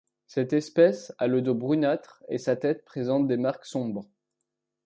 Cette espèce a le dos brunâtre et sa tête présente des marques sombres.